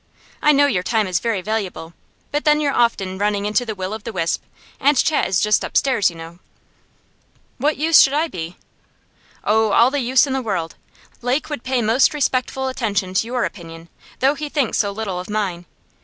I know your time is very valuable, but then you're often running into the Will o' the Wisp, and Chat is just upstairs, you know.' 'What use should I be?' 'Oh, all the use in the world. Lake would pay most respectful attention to your opinion, though he thinks so little of mine.